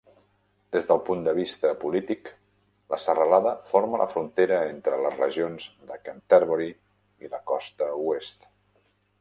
Des del punt de vista polític, la serralada forma la frontera entre les regions de Canterbury i la Costa Oest.